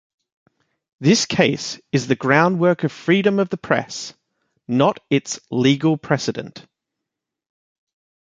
This case is the groundwork of freedom of the press, not its legal precedent.